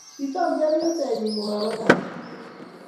Kisom chepyosenyi komabakakche